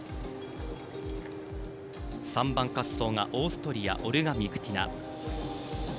３番滑走がオーストリアオルガ・ミクティナ。